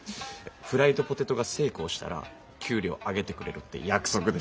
フライドポテトが成功したら給料上げてくれるって約束でしたよね？